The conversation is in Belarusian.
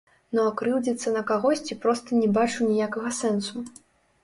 Ну а крыўдзіцца на кагосьці проста не бачу ніякага сэнсу.